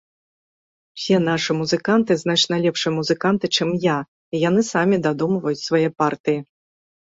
Усе нашы музыканты значна лепшыя музыканты, чым я, і яны самі дадумваюць свае партыі.